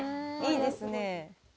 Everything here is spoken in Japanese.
「いいですね」